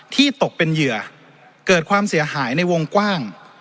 ตกเป็นเหยื่อเกิดความเสียหายในวงกว้าง